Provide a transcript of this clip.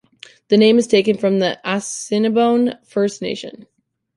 The name is taken from the Assiniboine First Nation.